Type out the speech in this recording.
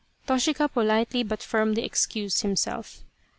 Toshika politely but firmly excused himself.